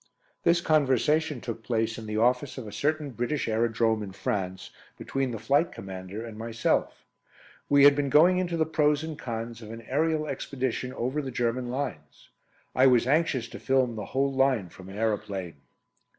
This conversation took place in the office of a certain British aerodrome in France between the Flight Commander and myself. We had been going into the pros and cons of an aerial expedition over the German lines. I was anxious to film the whole line from an aeroplane.